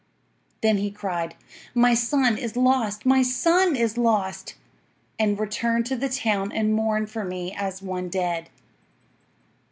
Then he cried, "My son is lost! My son is lost!" and returned to the town and mourned for me as one dead.